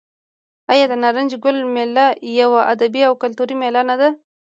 آیا د نارنج ګل میله یوه ادبي او کلتوري میله نه ده؟